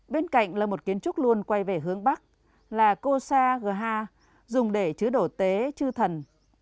bên cạnh là một kiến trúc luôn quay về hướng bắc là kosa gha dùng để chứa đổ tế chư thần